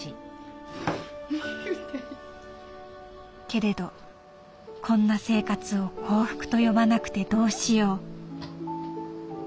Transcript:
「けれどこんな生活を幸福と呼ばなくてどうしよう」。